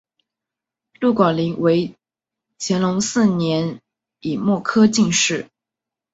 陆广霖为乾隆四年己未科进士。